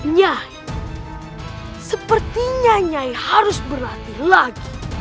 nyah sepertinya nyai harus berlatih lagi